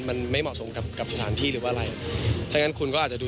อย่างน้อยหลักนี่คงไม่เหมาะที่กับมนตรีสถานหรอก